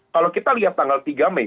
kalau kita lihat tanggal tiga mei